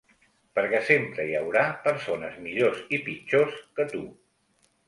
Perquè sempre hi haurà persones millors i pitjors que tu.